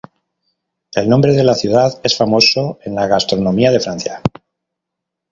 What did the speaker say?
El nombre de la ciudad es famoso en la gastronomía de Francia.